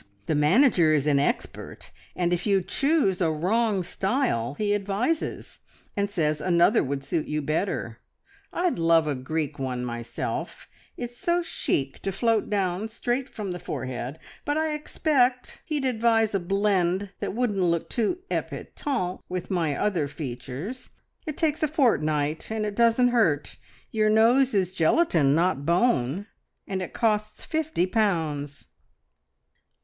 The manager is an expert, and if you choose a wrong style he advises, and says another would suit you better. I'd love a Greek one myself; it's so chic to float down straight from the forehead, but I expect he'd advise a blend that wouldn't look too epatant with my other features. It takes a fortnight, and it doesn't hurt. Your nose is gelatine, not bone; and it costs fifty pounds."